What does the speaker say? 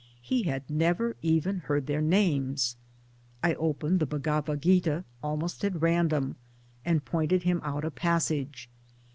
He had never even heard their names. I opened the 'Bhagavat Gita, almost at random, and pointed him out a passage.